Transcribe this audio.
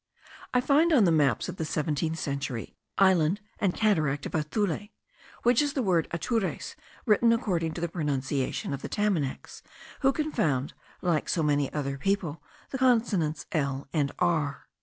I find on the maps of the seventeenth century, Island and Cataract of Athule; which is the word Atures written according to the pronunciation of the Tamanacs, who confound, like so many other people, the consonants l and r.